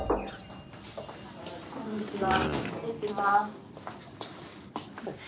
こんにちは。